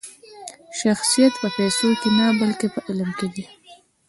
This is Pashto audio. شخصیت په پیسو کښي نه؛ بلکي په علم کښي دئ.